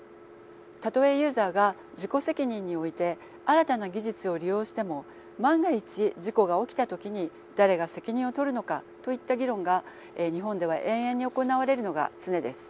たとえユーザーが自己責任において新たな技術を利用しても万が一事故が起きた時に誰が責任をとるのかといった議論が日本では延々に行われるのが常です。